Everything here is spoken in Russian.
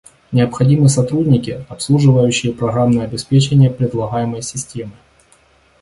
Необходимы сотрудники, обслуживающие программное обеспечение предлагаемой системы